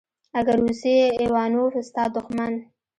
اگه روسی ايوانوف ستا دښمن.